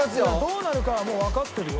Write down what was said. どうなるかはもうわかってるよ。